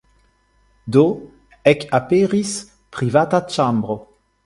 Do, ekaperis privata ĉambro.